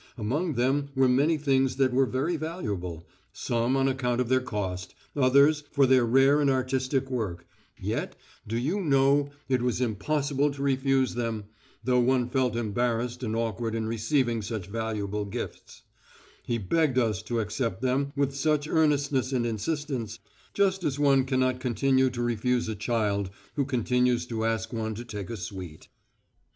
Among them were many things that were very valuable, some on account of their cost, others for their rare and artistic work, yet, do you know, it was impossible to refuse them, though one felt embarrassed and awkward in receiving such valuable gifts he begged us to accept them with such earnestness and insistence, just as one cannot continue to refuse a child who continues to ask one to take a sweet.